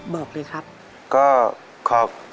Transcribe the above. บอกเลยครับ